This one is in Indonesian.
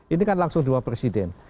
ini kan langsung dua presiden